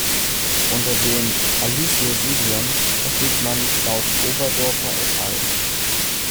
Unter dem "Alysso-Sedion" versteht man laut Oberdorfer et al.